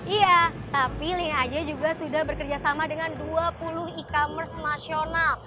iya tapi link aja juga sudah bekerjasama dengan dua puluh e commerce nasional